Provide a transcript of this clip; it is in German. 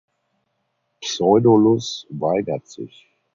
Pseudolus weigert sich.